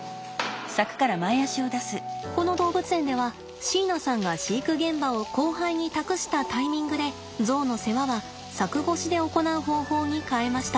この動物園では椎名さんが飼育現場を後輩に託したタイミングでゾウの世話は柵越しで行う方法に変えました。